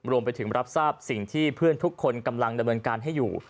รวมไปถึงรับทราบสิ่งที่เพื่อนทุกคนกำลังดำเนินการให้อยู่